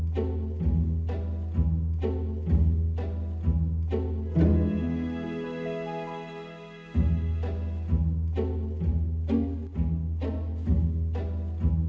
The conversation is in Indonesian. tapi itu kan